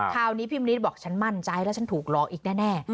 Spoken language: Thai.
คราวนี้พี่มนิดบอกฉันมั่นใจแล้วฉันถูกหลอกอีกแน่